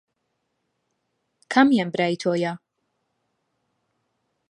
کامیان برای تۆیە؟